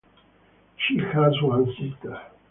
She has one sister.